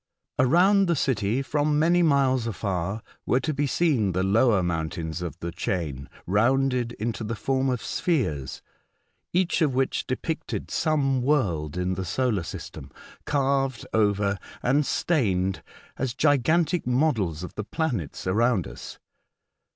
Around the city, from many miles afar, were to be seen the lower mountains of the chain rounded into the form of spheres, each of which depicted some world in the solar system, carved over and stained as gigantic models of the planets around us.